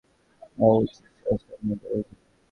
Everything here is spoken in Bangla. ওহ জিসাস আমি এটাই ভেবেছিলাম।